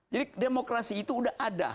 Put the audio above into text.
demokrasi itu udah ada